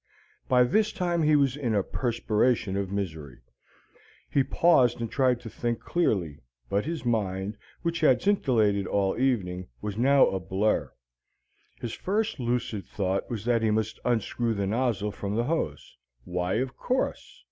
By this time he was in a perspiration of misery. He paused and tried to think clearly, but his mind, which had scintillated all evening, was now a blur. His first lucid thought was that he must unscrew the nozzle from the hose. Why, of course!